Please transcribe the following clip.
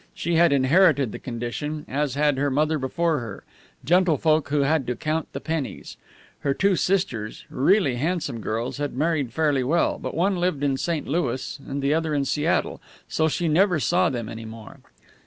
She had inherited the condition, as had her mother before her gentlefolk who had to count the pennies. Her two sisters really handsome girls had married fairly well; but one lived in St. Louis and the other in Seattle, so she never saw them any more.